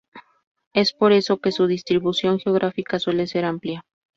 Es por ello que su distribución geográfica suele ser amplia.